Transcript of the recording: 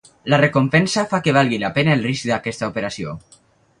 La recompensa fa que valgui la pena el risc d'aquesta operació.